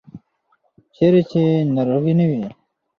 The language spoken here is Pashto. چیرې چې ناروغي نه وي.